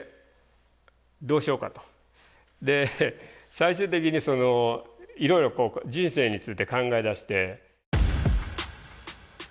最終的にいろいろ人生について考えだして。